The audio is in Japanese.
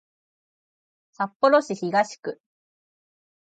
札幌市東区